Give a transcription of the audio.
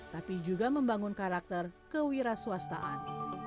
tapi juga membangun karakter kewira swastaan